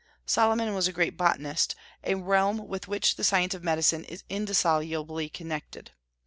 Solomon was a great botanist, a realm with which the science of medicine is indissolubly connected.